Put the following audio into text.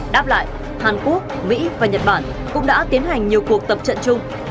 đáp lại hàn quốc mỹ và nhật bản cũng đã tiến hành nhiều cuộc tập trận chung